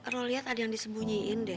roliat ada yang disembunyiin deh